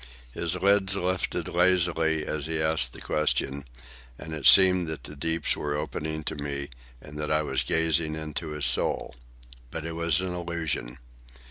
His lids lifted lazily as he asked the question, and it seemed that the deeps were opening to me and that I was gazing into his soul. But it was an illusion.